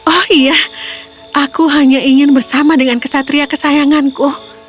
oh iya aku hanya ingin bersama dengan kesatria kesayanganku